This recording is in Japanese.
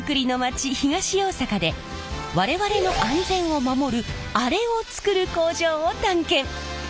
東大阪で我々の安全を守るアレを作る工場を探検！